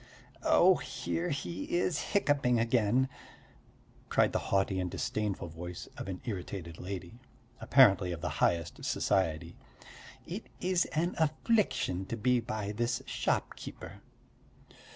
"Oh, here he is hiccupping again!" cried the haughty and disdainful voice of an irritated lady, apparently of the highest society. "It is an affliction to be by this shopkeeper!"